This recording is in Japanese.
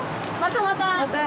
また。